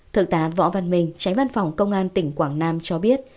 thượng tá võ văn minh tránh văn phòng công an tỉnh quảng nam cho biết